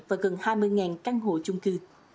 và gần hai mươi căn hộ chung cư